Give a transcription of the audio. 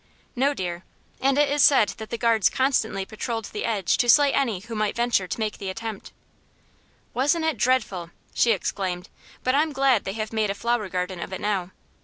"No, dear. And it is said the guards constantly patrolled the edge to slay any who might venture to make the attempt." "Wasn't it dreadful!" she exclaimed. "But I'm glad they have made a flower garden of it now.